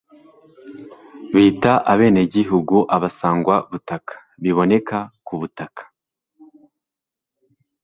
bita abenegihugu abasangwabutaka (biboneka ku butaka